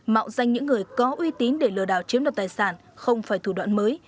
mạo danh những người có uy tín để lừa đào chiếm đặt tài sản không phải thủ đoạn mới